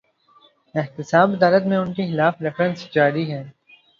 احتساب عدالت میں ان کے خلاف ریفرنس جاری ہیں۔